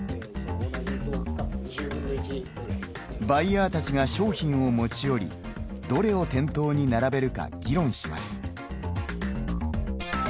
バイヤーたちが商品を持ち寄りどれを店頭に並べるか議論します。